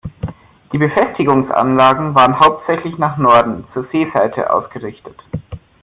Die Befestigungsanlagen waren hauptsächlich nach Norden, zur Seeseite, ausgerichtet.